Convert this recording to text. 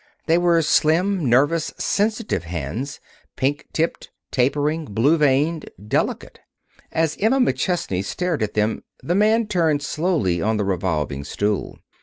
They were slim, nervous, sensitive hands, pink tipped, tapering, blue veined, delicate. As Emma McChesney stared at them the man turned slowly on the revolving stool.